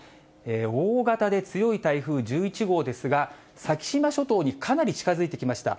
大型で強い台風１１号ですが、先島諸島にかなり近づいてきました。